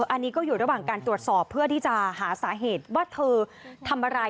อันนี้ก็อยู่ระหว่างการตรวจสอบเพื่อที่จะหาสาเหตุว่าเธอทำอะไร